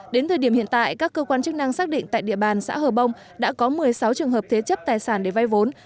đến thời điểm hiện tại các cơ quan chức năng xác định tại địa bàn xã hờ bông đã có một mươi sáu trường hợp thế chấp tài sản để vay vốn